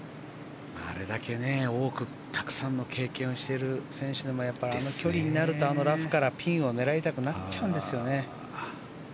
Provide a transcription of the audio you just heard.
あれだけ多くたくさんの経験をしている選手でもあの距離になるとラフからピンを狙いたくなっちゃうんですよね。